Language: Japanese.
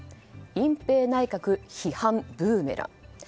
隠蔽内閣批判ブーメラン。